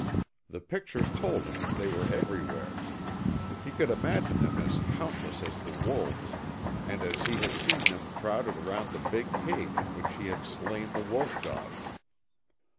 The pictures told him they were everywhere. He could imagine them as countless as the wolves, and as he had seen them crowded round the big cage in which he had slain the wolf dog.